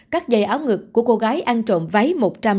các giày áo ngực của cô gái ăn trộm váy